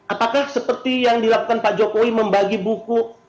apakah seperti yang dilakukan pak jokowi membagi buku